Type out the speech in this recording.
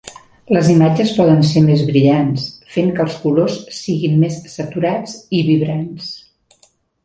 Les imatges poden ser més brillants, fent que els colors siguin més saturats i vibrants.